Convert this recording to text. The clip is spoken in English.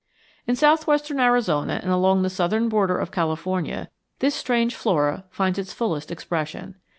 In southwestern Arizona and along the southern border of California this strange flora finds its fullest expression.